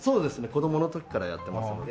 子供の時からやってますので。